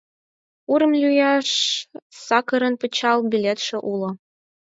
Урым лӱяш Сакарын пычал билетше уло.